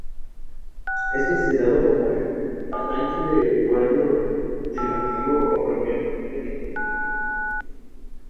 A continuación, tuvo una aparición especial en los populares "Cuentos de la Cripta".